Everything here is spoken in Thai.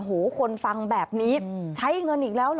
คนฟังแบบนี้ใช้เงินอีกแล้วเหรอ